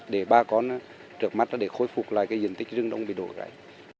để ba con trượt mắt để khôi phục lại cái diện tích rừng đông bị đổ gãy